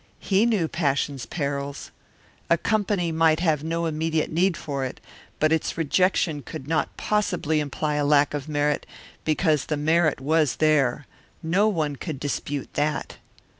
He knew Passion's Perils. A company might have no immediate need for it, but its rejection could not possibly imply a lack of merit, because the merit was there. No one could dispute that.